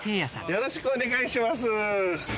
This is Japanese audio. よろしくお願いします。